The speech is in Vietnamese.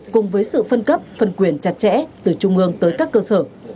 cùng với sự phân cấp phân quyền chặt chẽ từ trung ương tới các cơ sở